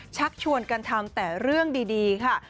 ชักชวนกันทำแต่เรื่องดีค่ะ